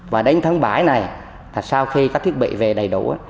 và đến tháng bảy này sau khi các thiết bị về đầy đủ